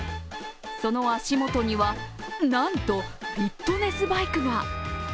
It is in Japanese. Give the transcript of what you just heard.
その足もとには、なんとフィットネスバイクが。